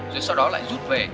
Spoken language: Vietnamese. rồi sau đó lại rút về